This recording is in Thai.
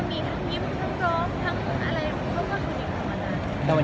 มีโครงการทุกทีใช่ไหม